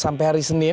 sampai hari senin